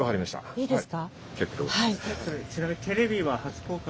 いいですか？